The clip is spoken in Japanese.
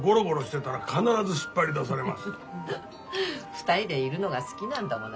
２人でいるのが好きなんだもの